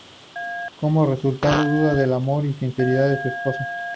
Como resultado, duda del amor y la sinceridad de su esposa.